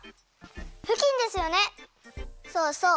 そうそう。